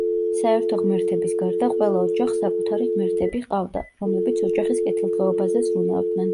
საერთო ღმერთების გარდა ყველა ოჯახს საკუთარი ღმერთები ჰყავდა, რომლებიც ოჯახის კეთილდღეობაზე ზრუნავდნენ.